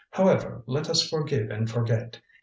However, let us forgive and forget.